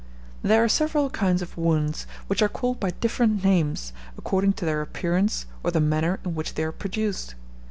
There are several kinds of wounds, which are called by different names, according to their appearance, or the manner in which they are produced.